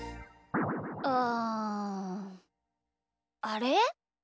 うん。あれ？